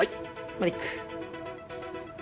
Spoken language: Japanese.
マリック。